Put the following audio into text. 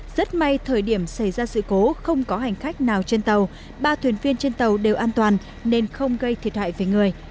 rất may thời điểm xảy ra sự cố không có hành khách nào trên tàu ba thuyền viên trên tàu đều an toàn nên không gây thiệt hại về người